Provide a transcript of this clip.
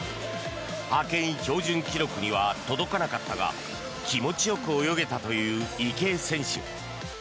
派遣標準記録には届かなかったが気持ちよく泳げたという池江選手。